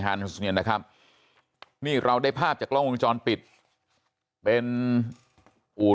เนี่ยนะครับนี่เราได้ภาพจากกล้องวงจรปิดเป็นอู่